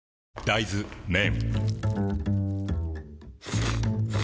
大豆麺